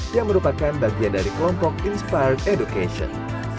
yang merupakan bagian dari kelompok inspired education